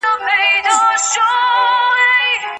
هغه به له ځان څخه نه ليري کوې؛ خو په کور کي باک نلري.